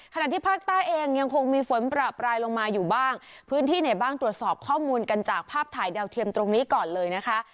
ขณะที่ภาคใต้เองยังคงมีฝนประปรายลงมาอยู่บ้างพื้นที่ไหนบ้างตรวจสอบข้อมูลกันจากภาพถ่ายดาวเทียมตรงนี้ก่อนเลยนะคะ